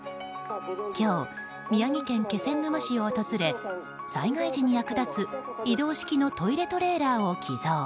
今日、宮城県気仙沼市を訪れ災害時に役立つ移動式のトイレトレーラーを寄贈。